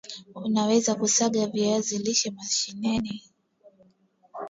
Unaweza kusaga viazi lishe mashineni